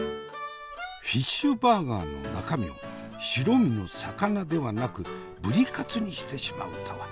フィッシュバーガーの中身を白身の魚ではなくぶりカツにしてしまうとは。